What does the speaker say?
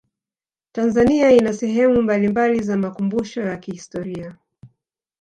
tanzania ina sehemu mbalimbali za makumbusho ya kihistoria